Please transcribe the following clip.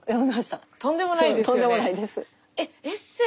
とんでもないですよね？